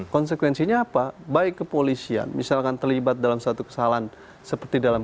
konsekuensinya apa baik kepolisian misalkan terlibat dalam satu kesalahan seperti dalam